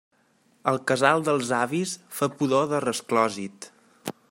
El casal dels avis fa pudor de resclosit.